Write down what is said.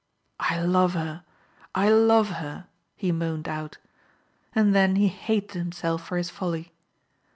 " I love her ! I love her! " he moaned out. And then he hated himself for his folly.